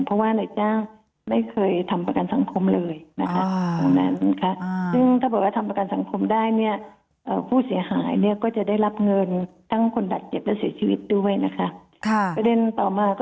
เพราะว่าในจ้างไม่เคยทำประกันสังคมเลยนะคะของนั้นนะคะอ่า